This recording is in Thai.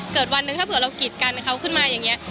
วันหนึ่งถ้าเผื่อเรากีดกันเขาขึ้นมาอย่างนี้